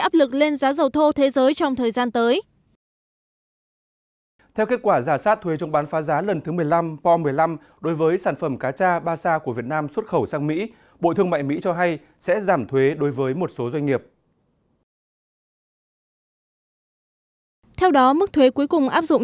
áp lực cho các nhà sản xuất dầu lớn